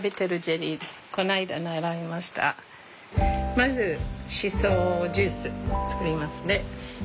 まずシソジュース作りますね。